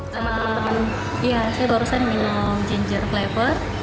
saya baru saja minum ginger flavor